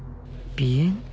鼻炎？